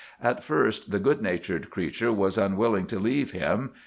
At first the good natured creature was unwilling to leave him.